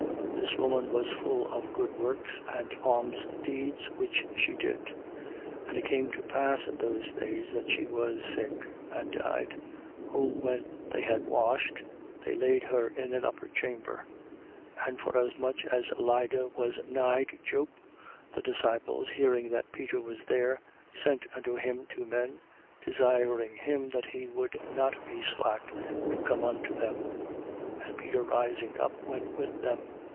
This woman was full of good works and almsdeeds which she did. 9:37. And it came to pass in those days that she was sick and died. Whom when they had washed, they laid her in an upper chamber. 9:38. And forasmuch as Lydda was nigh to Joppe, the disciples, hearing that Peter was there, sent unto him two men, desiring him that he would not be slack to come unto them. 9:39. And Peter rising up went with them.